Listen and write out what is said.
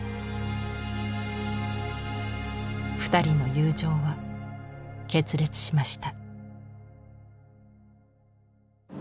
２人の友情は決裂しました。